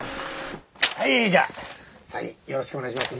はいじゃあサインよろしくお願いします。